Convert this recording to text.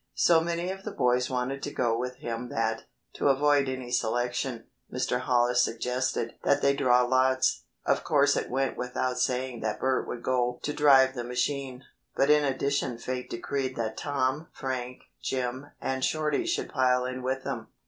So many of the boys wanted to go with him that, to avoid any selection, Mr. Hollis suggested that they draw lots. Of course it went without saying that Bert would go to drive the machine, but in addition fate decreed that Tom, Frank, Jim, and Shorty should pile in with them.